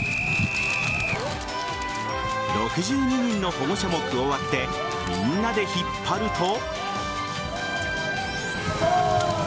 ６２人の保護者も加わってみんなで引っ張ると。